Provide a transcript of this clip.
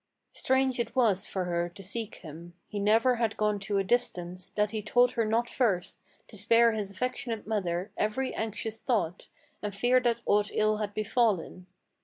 Strange it was for her to seek him; he never had gone to a distance That he told her not first, to spare his affectionate mother Every anxious thought, and fear that aught ill had befallen.